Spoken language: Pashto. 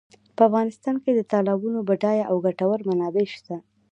په افغانستان کې د تالابونو بډایه او ګټورې منابع شته.